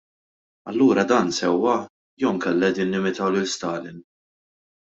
Allura dan sewwa jew inkella qegħdin nimitaw lil Stalin?